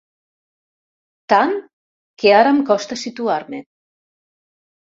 Tant, que ara em costa situar-me.